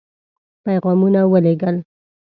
پيغامونه ولېږل.